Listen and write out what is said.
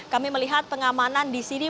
kami melihat pengamanan disini